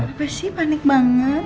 kenapa sih panik banget